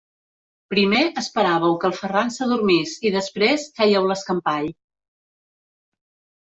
Primer esperàveu que el Ferran s'adormís i després fèieu l'escampall.